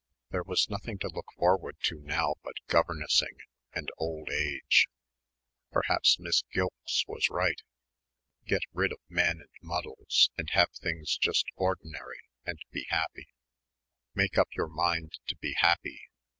There was nothing to look forward to now but governessing and old age. Perhaps Miss Gilkes was right.... Get rid of men and muddles and have things just ordinary and be happy. "Make up your mind to be happy.